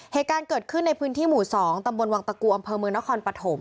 เหตุการณ์เกิดขึ้นในพื้นที่หมู่๒ทวตกอมนนครปฐมธรรม